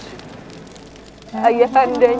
mereka pasti ingin melihat